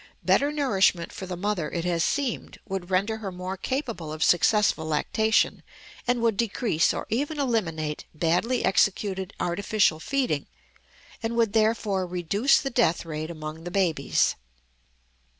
Better nourishment for the mother, it has seemed, would render her more capable of successful lactation, and would decrease or even eliminate badly executed artificial feeding, and would therefore reduce the death rate among the babies.